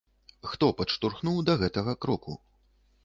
Хто падштурхнуў да гэтага кроку?